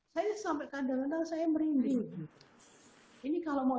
saya sampai ke adal adal saya merinding ini kalau mau